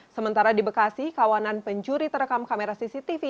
sementara di bekasi kawanan pencuri terekam kamera cctv